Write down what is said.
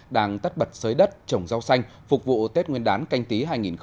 đang tất bật sới đất trồng rau xanh phục vụ tết nguyên đán canh tí hai nghìn hai mươi